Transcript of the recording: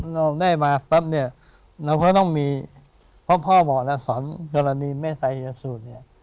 เราได้มาปั๊บเนี่ยเราก็ต้องมีเพราะพ่อบอกแล้วสอนกรณีแม่ทัยสูตรเนี่ย